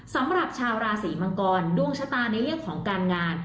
สำหรับชาวราศีมังกรดวงชะตาในเรื่องของการงาน